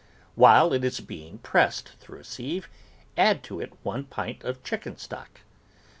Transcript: While it is being pressed through a sieve add to it one pint of chicken stock.